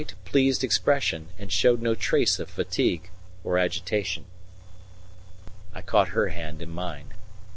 Her face had a bright, pleased expression, and showed no trace of fatigue or agitation. I caught her hand in mine.